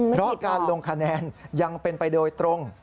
เพราะการลงคะแนนยังเป็นไปโดยตรง